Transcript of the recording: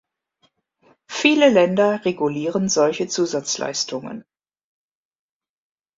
Viele Länder regulieren solche Zusatzleistungen.